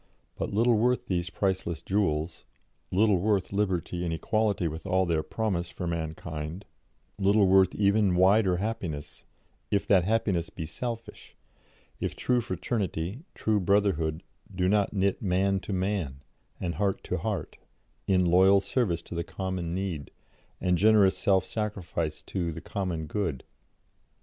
But little worth these priceless jewels, little worth liberty and equality with all their promise for mankind, little worth even wider happiness, if that happiness be selfish, if true fraternity, true brotherhood, do not knit man to man, and heart to heart, in loyal service to the common need, and generous self sacrifice to the common good."